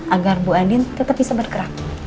agar bu andin tetap bisa bergerak